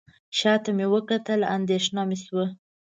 شاته مې وکتل اندېښنه مې شوه.